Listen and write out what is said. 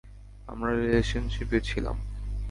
আমরা রিলেশনশিপে ছিলাম।